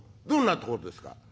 どんなとこですか？」。